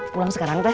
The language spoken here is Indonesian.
pulang sekarang teh